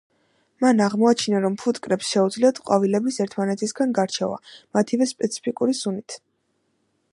მან აღმოაჩინა, რომ ფუტკრებს შეუძლიათ ყვავილების ერთმანეთისგან გარჩევა მათივე სპეციფიკური სუნით.